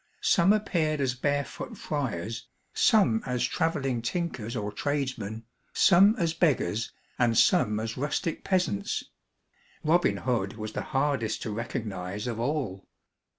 Some appeared as barefoot friars, some as traveling tinkers or tradesmen, some as beggars, and some as rustic peasants. Robin Hood was the hardest to recognize of all.